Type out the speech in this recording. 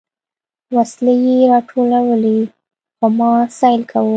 وسلې يې راټولولې خو ما سيل کاوه.